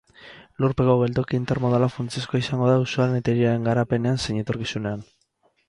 Lurpeko geltoki intermodala funtsezkoa izango da auzoaren eta hiriaren garapenean zein etorkizunean.